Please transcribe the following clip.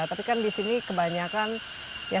tapi kan disini kebanyakan